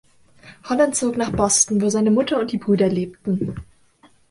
Holland zog nach Boston, wo seine Mutter und die Brüder lebten.